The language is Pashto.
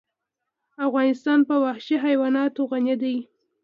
افغانستان په وحشي حیوانات غني دی.